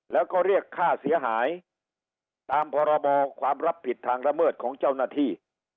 แล้วก็เรียกค่าเสียหายตามพรบความรับผิดทางละเมิดของเจ้าหน้าที่